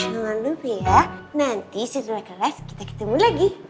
jangan lupa ya nanti sesuai kelas kita ketemu lagi